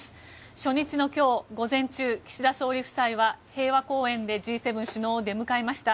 初日の今日午前中、岸田総理夫妻は平和公園でＧ７首脳を出迎えました。